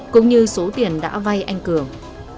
cũng như số tiền đã vay anh cường